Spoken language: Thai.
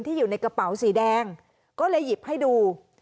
อยู่ในกระเป๋าสีแดงก็เลยหยิบให้ดู